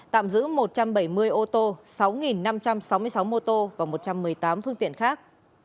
tạm giữ một trăm bảy mươi ô tô sáu năm trăm sáu mươi sáu mô tô và một trăm một mươi tám phương tiện khác